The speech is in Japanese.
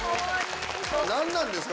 何なんですか？